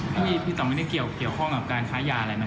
พี่สำมวติไม่ได้เกี่ยวข้องกับการค้ายาอะไรมั้ย